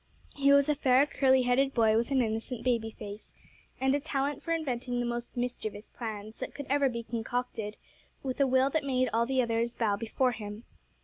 He was a fair, curly headed boy with an innocent baby face, and a talent for inventing the most mischievous plans that could ever be concocted, with a will that made all the others bow before him.